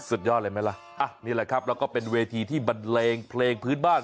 สุดยอดเลยไหมล่ะนี่แหละครับแล้วก็เป็นเวทีที่บันเลงเพลงพื้นบ้าน